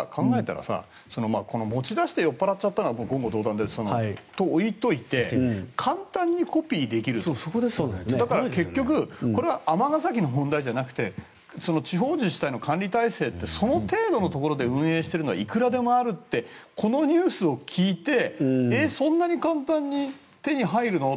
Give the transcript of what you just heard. でも考えたら持ち出して酔っ払ったのは言語道断としても簡単にコピーできるのは尼崎の問題じゃなくて地方自治体の管理体制ってその程度のところで運営しているところがいくらでもあるってこのニュースを聞いてそんなに簡単に手に入るの？